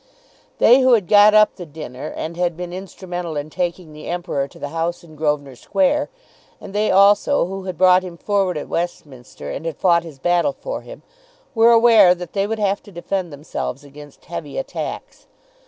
They who had got up the dinner and had been instrumental in taking the Emperor to the house in Grosvenor Square, and they also who had brought him forward at Westminster and had fought his battle for him, were aware that they would have to defend themselves against heavy attacks.